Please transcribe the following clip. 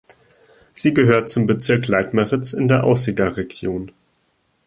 Sie gehört zum Bezirk Leitmeritz in der Aussiger Region.